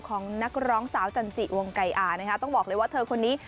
ของนักร้องสาวจันจิวงไก่อานะคะต้องบอกเลยว่าเธอคนนี้